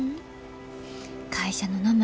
会社の名前